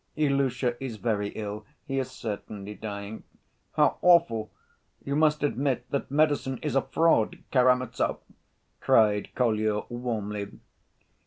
"Ilusha is very ill. He is certainly dying." "How awful! You must admit that medicine is a fraud, Karamazov," cried Kolya warmly.